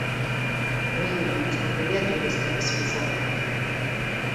მღვიმე მოწყობილია ტურისტების მისაღებად.